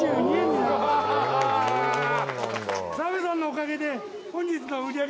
澤部さんのおかげで。